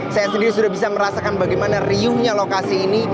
saya sendiri sudah bisa merasakan bagaimana riuhnya lokasi ini